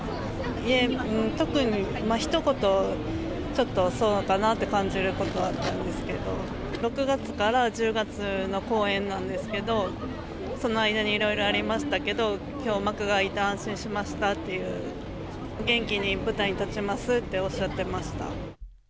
いえ、特に、ひと言、ちょっとそうなのかなと感じることはあったんですけど、６月から１０月の公演なんですけど、その間にいろいろありましたけど、きょう幕が開いて安心しましたっていう、元気に舞台に立ちますっておっしゃってました。